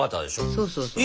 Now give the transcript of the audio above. そうそうそう。